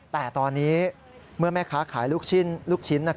แต่ตอนนี้เมื่อแม่ค้าขายลูกชิ้น